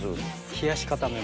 冷やし固めます。